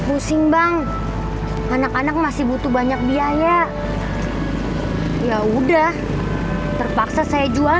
pusing bang anak anak masih butuh banyak biaya ya udah terpaksa saya jual